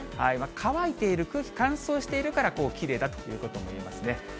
乾いている、空気乾燥しているから、きれいだということも言えますね。